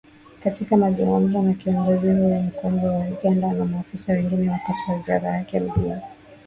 Katika mazungumzo na kiongozi huyo mkongwe wa Uganda na maafisa wengine wakati wa ziara yake mjini kampala.